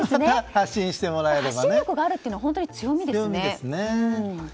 発信力があるというのは本当に強みですよね。